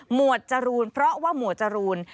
วดจรูนเพราะว่าหมวดจรูน